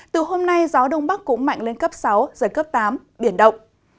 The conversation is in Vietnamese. từ hôm nay gió đông bắc cũng mạnh lên cấp sáu giật cấp tám biển động